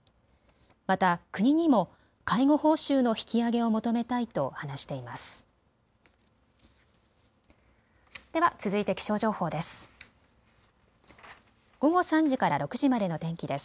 また国にも介護報酬の引き上げを求めたいと話しています。